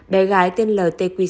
bé gái tên l t q c